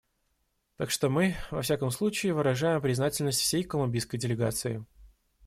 Так что мы, во всяком случае, выражаем признательность всей колумбийской делегации.